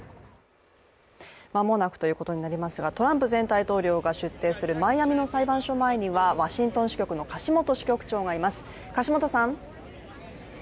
間もなくということになりますが、トランプ前大統領が出廷するマイアミの裁判所前にはワシントン支局の樫元支局長がいます。